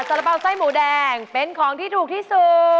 ระเป๋าไส้หมูแดงเป็นของที่ถูกที่สุด